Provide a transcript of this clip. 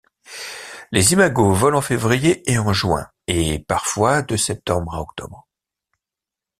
Les imagos volent en février et en juin et parfois de septembre à octobre.